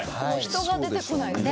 人が出てこない。